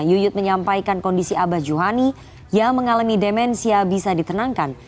yuyut menyampaikan kondisi abah johani yang mengalami demensia bisa ditenangkan